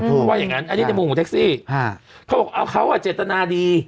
เขาว่าอย่างงั้นอันนี้ในมุมของแท็กซี่เขาบอกเอาเขาอ่ะเจตนาดี